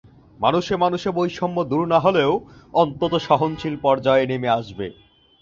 মানুষে মানুষে বৈষম্য দূর না হলেও অন্তত সহনশীল পর্যায়ে নেমে আসবে।